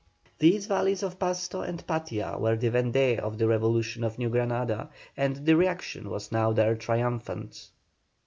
These valleys of Pasto and Patia were the Vendée of the revolution of New Granada, and the reaction was now there triumphant.